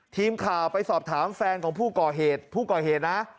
ทีมข่าวไปสอบถามแฟนของผู้ก่อเหตุผู้ก่อเหตุนะ